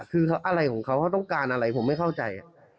คืออะไรของเขาเขาต้องการอะไรผมไม่เข้าใจ